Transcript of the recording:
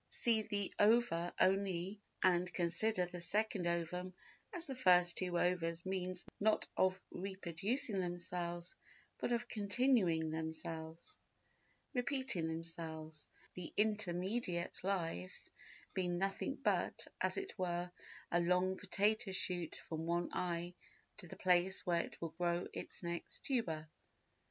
See the ova only and consider the second ovum as the first two ova's means not of reproducing themselves but of continuing themselves—repeating themselves—the intermediate lives being nothing but, as it were, a long potato shoot from one eye to the place where it will grow its next tuber.